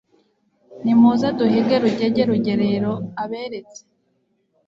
Nimuze duhige Rugege Rugerero aberetse